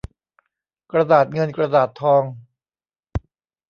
กระดาษเงินกระดาษทอง